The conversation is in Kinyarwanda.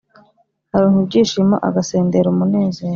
Aronka ibyishimo, agasendera umunezero,